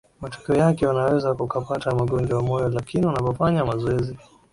matokeo yake unaweza ukapata magonjwa ya moyo lakini unapofanya mazoezi